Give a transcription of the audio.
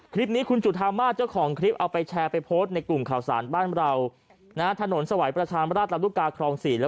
คลิปนี้คุณจุธามมาตรเจ้าของคลิปเอาไปแชร์ไปโพสต์ในกลุ่มข่าวสารบ้านเรานะฮะ